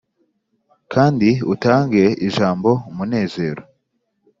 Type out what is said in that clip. kandi utange ijambo umunezero.